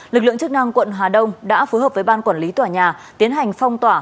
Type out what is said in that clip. lực lượng chức năng quận hà đông đã phối hợp với ban quản lý tòa nhà tiến hành phong tỏa